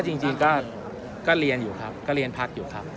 จริงก็เรียนอยู่ครับก็เรียนพักอยู่ครับ